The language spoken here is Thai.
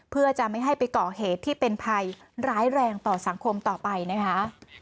เพื่อจะไม่ให้ไปก่อเหตุที่เป็นภัยร้ายแรงต่อสังคมต่อไปนะคะ